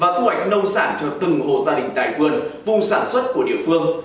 và thu hoạch nông sản thuộc từng hồ gia đình tài vươn vùng sản xuất của địa phương